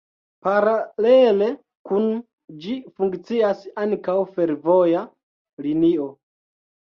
Paralele kun ĝi funkcias ankaŭ fervoja linio.